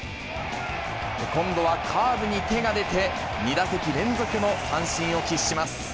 今度はカーブに手が出て、２打席連続の三振を喫します。